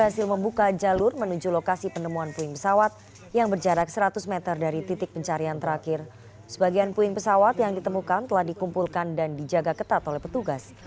sebagian puing pesawat yang ditemukan telah dikumpulkan dan dijaga ketat oleh petugas